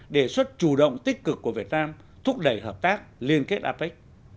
đề xuất chủ động tích cực của việt nam thúc đẩy hợp tác liên kết apec